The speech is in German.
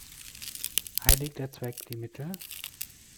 Heiligt der Zweck die Mittel?